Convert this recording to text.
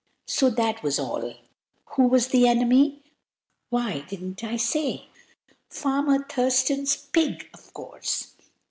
So that was all! "Who was the enemy?" Why, didn't I say? Farmer Thurston's pig, of course!